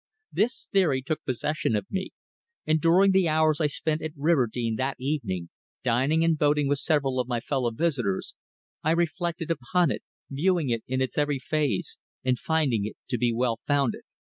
This theory took possession of me, and during the hours I spent at Riverdene that evening, dining and boating with several of my fellow visitors, I reflected upon it, viewing it in its every phase, and finding it to be well founded.